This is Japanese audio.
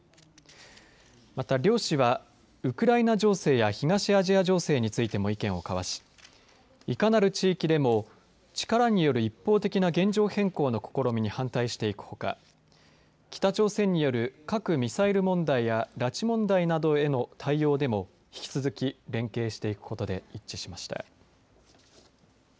また、両氏はウクライナ情勢や東アジア情勢についても意見を交わしいかなる地域でも力による一方的な現状変更の試みに反対していくほか北朝鮮による核・ミサイル問題や拉致問題などへの対応でも引き続き連携していくことで一致しました。